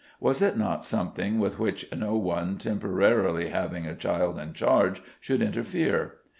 Was it not something with which no one temporarily having a child in charge should interfere?